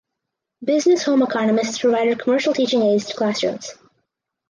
Business home economists provided commercial teaching aids to classrooms.